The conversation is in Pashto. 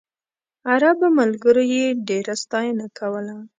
عربو ملګرو یې ډېره ستاینه کوله.